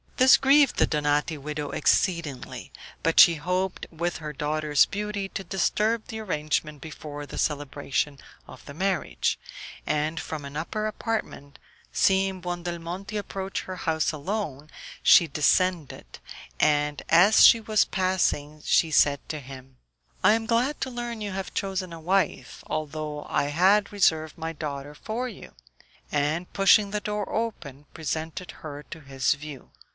This grieved the Donati widow exceedingly; but she hoped, with her daughter's beauty, to disturb the arrangement before the celebration of the marriage; and from an upper apartment, seeing Buondelmonti approach her house alone, she descended, and as he was passing she said to him, "I am glad to learn you have chosen a wife, although I had reserved my daughter for you;" and, pushing the door open, presented her to his view.